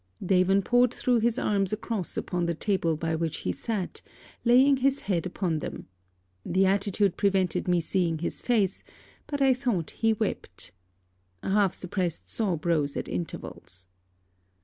Davenport threw his arms across upon the table by which he sat, laying his head upon them. The attitude prevented my seeing his face; but I thought he wept. A half supressed sob rose at intervals.